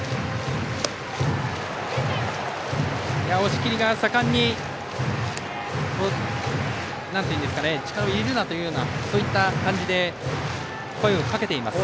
押切がさかんに力を入れるなというようなそういった感じで声をかけています。